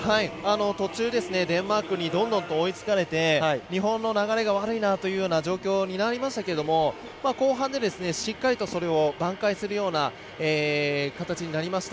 途中、デンマークにどんどんと追いつかれて日本の流れが悪いなという状況になりましたけど、後半でしっかり、それを挽回するような形になりました。